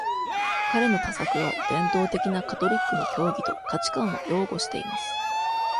彼の多作は、伝統的なカトリックの教義と価値観を擁護しています。